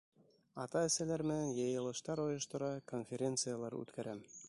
Ата-әсәләр менән йыйылыштар ойоштора, конференциялар үткәрәм.